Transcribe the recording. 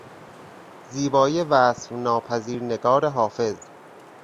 زیبایی وصف ناپذیر نگار حافظ